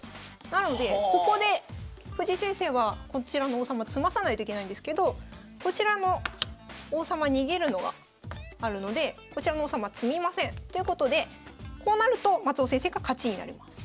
なのでここで藤井先生はこちらの王様詰まさないといけないんですけどこちらの王様逃げるのがあるのでこちらの王様詰みません。ということでこうなると松尾先生が勝ちになります。